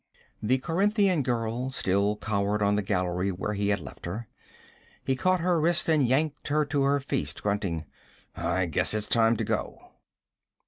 The Corinthian girl still cowered on the gallery where he had left her. He caught her wrist and yanked her to her feet, grunting: 'I guess it's time to go!'